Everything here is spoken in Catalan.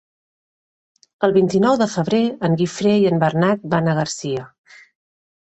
El vint-i-nou de febrer en Guifré i en Bernat van a Garcia.